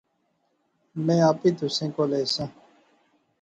میں آپی تسیں کول ایساں